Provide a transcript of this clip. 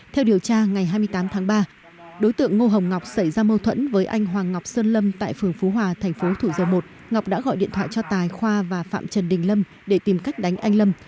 theo điều tra ngày hai mươi tám tháng ba đối tượng ngô hồng ngọc xảy ra mâu thuẫn với anh hoàng ngọc sơn lâm tại phường phú hòa thành phố thủ dầu một ngọc đã gọi điện thoại cho tài khoa và phạm trần đình lâm để tìm cách đánh anh lâm